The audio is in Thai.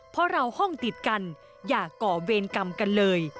เพราะเราห้องติดกันอย่าก่อเวรกรรมกันเลย